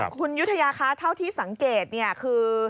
คุณยุธยาคะเท่าที่สังเกตเนี่ยคือ